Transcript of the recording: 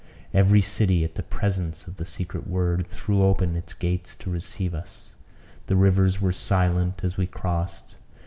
Every city, at the presence of the secret word, threw open its gates to receive us. The rivers were silent as we crossed.